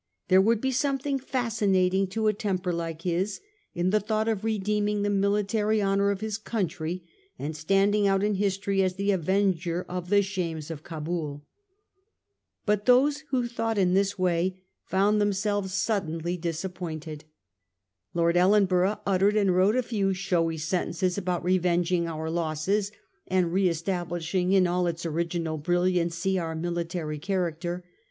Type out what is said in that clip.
There would he something fascinating to a temper like bis in the thought of redeeming the military honour of his country and standing out in history as the avenger of the shames of Cabul. But those who thought in this way found themselves suddenly dis 1842. GRANDIOSE PHRASES. 263 appointed. Lord Ellenborough uttered and wrote a few showy sentences about revenging our losses and ' re establisbing in all its original brilliancy our mili tary character.